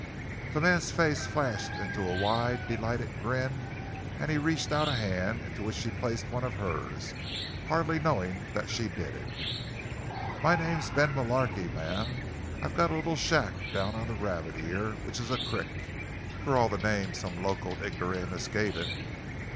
The man's face flashed into a wide, delighted grin and he reached out a hand, into which she placed one of hers, hardly knowing that she did it. "Me name's Ben Mullarky, ma'am. I've got a little shack down on the Rabbit Ear—which is a crick, for all the name some locoed ignoramus give it.